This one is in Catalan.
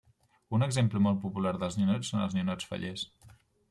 Un exemple molt popular dels ninots són els ninots fallers.